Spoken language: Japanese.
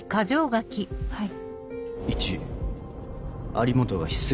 はい。